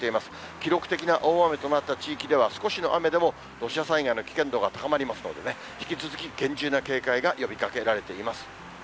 記録的な大雨となった地域では、少しの雨でも土砂災害の危険度が高まりますのでね、引き続き、厳重な警戒が呼びかけられています。